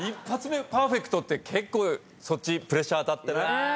１発目パーフェクトって結構そっちプレッシャー。